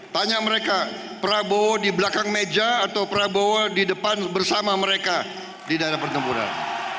tanya mereka prabowo di belakang meja atau prabowo di depan bersama mereka di daerah pertempuran